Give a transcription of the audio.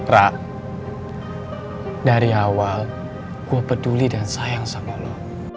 rak dari awal gue peduli dan sayang sama lo